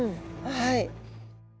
はい。